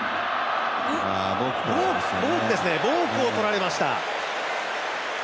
ボークをとられました。